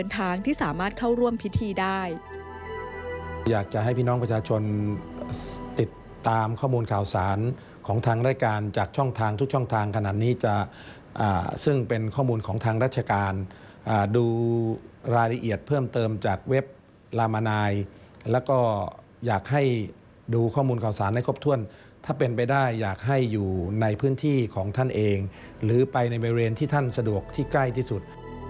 ทางที่สามารถเข้าร่วมพิธีได้อยากจะให้พี่น้องประชาชนติดตามข้อมูลข่าวสารของทางรายการจากช่องทางทุกช่องทางขนาดนี้จะซึ่งเป็นข้อมูลของทางราชการดูรายละเอียดเพิ่มเติมจากเว็บลามนายแล้วก็อยากให้ดูข้อมูลข่าวสารให้ครบถ้วนถ้าเป็นไปได้อยากให้อยู่ในพื้นที่ของท่านเองหรือไปในบริเวณที่ท่านสะดวกที่ใกล้ที่สุด